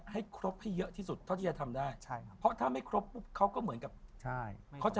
ค่อยเก็บทีละชิ้นสายห่อ